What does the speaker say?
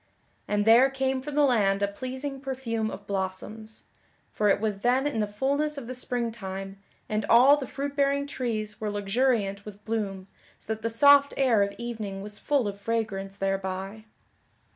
And there came from the land a pleasing perfume of blossoms; for it was then in the fulness of the spring time, and all the fruit bearing trees were luxuriant with bloom so that the soft air of evening was full of fragrance thereby.